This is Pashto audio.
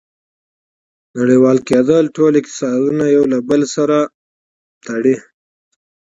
• نړیوال کېدل ټول اقتصادونه یو له بل سره تړي.